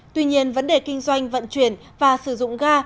tuy nhiên vấn đề kinh doanh vận chuyển và sử dụng ga